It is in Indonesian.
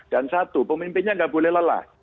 dan satu pemimpinnya nggak boleh lelah